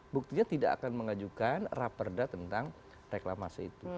buktinya tidak akan mengajukan raperda tentang reklamasi itu